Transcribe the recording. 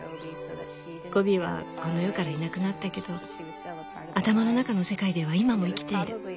ゴビはこの世からいなくなったけど頭の中の世界では今も生きている。